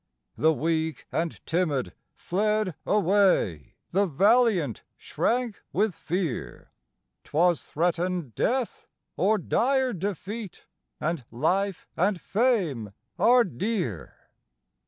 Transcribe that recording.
The weak and timid fled away, the valiant shrank with fear; 'Twas threatened death or dire defeat, and life and fame are dear.